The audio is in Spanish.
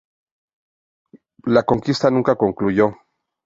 La conquista nunca concluyó.